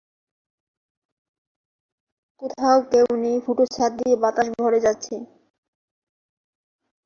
দুইশত বছর পূর্বে এটি প্রতিষ্ঠিত।